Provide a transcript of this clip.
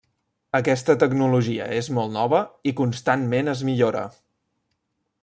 Aquesta tecnologia és molt nova i constantment es millora.